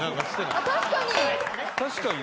確かに！